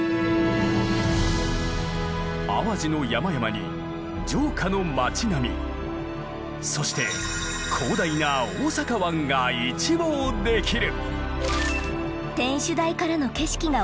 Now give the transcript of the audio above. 淡路の山々に城下の町並みそして広大な大阪湾が一望できる！